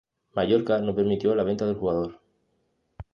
Mallorca no permitió la venta del jugador.